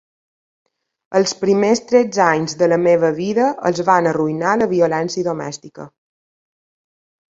Els primers tretze anys de la meva vida els van arruïnar la violència domèstica.